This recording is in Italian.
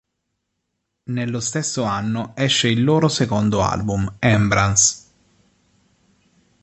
Nello stesso anno esce il loro secondo album "Embrace".